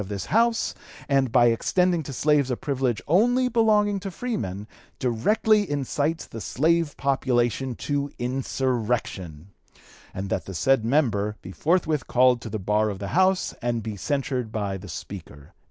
272) of this House; and, by extending to slaves a privilege only belonging to freemen, directly incites the slave population to insurrection; and that the said member be forthwith called to the bar of the House and be censured by the Speaker."